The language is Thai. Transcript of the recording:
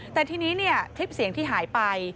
แต่ทีนี้คลิปเสียงที่หายไป